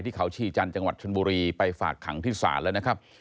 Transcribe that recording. ที่เขาชีจันทร์จังหวัดชนบุรีไปฝากขังที่ศาลแล้วนะครับ